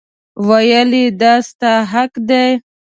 ویل یې دا ستا حق دی.